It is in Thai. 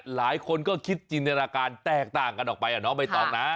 หลายคนก็คิดจินตนาการแตกต่างกันออกไปน้องใบตองนะ